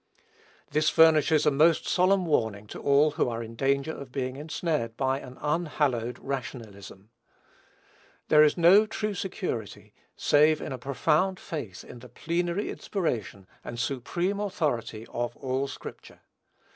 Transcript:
This furnishes a most solemn warning to all who are in danger of being ensnared by an unhallowed rationalism. There is no true security, save in a profound faith in the plenary inspiration and supreme authority of "ALL SCRIPTURE."